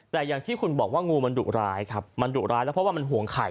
แต่อย่างที่คุณบอกว่างูมันดุร้ายครับมันดุร้ายแล้วเพราะว่ามันห่วงไข่